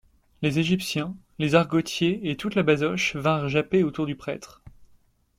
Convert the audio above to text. Les égyptiens, les argotiers et toute la basoche vinrent japper autour du prêtre.